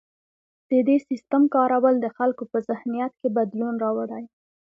د دې سیستم کارول د خلکو په ذهنیت کې بدلون راوړي.